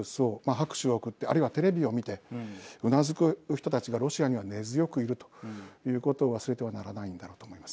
拍手を送ってあるいはテレビを見てうなずく人たちがロシアには根強くいるということを忘れてはならないんだろうと思います。